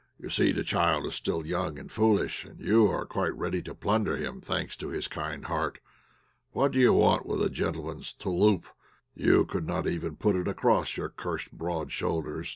"You see the child is still young and foolish, and you are quite ready to plunder him, thanks to his kind heart. What do you want with a gentleman's touloup? You could not even put it across your cursed broad shoulders."